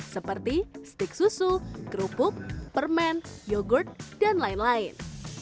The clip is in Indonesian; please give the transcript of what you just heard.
seperti stik susu kerupuk permen yogurt dan lain lain